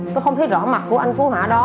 tôi không thấy rõ mặt của anh cứu hỏa đó